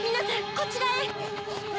こちらへ！